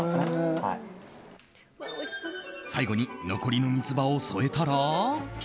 最後に残りの三つ葉を添えたら。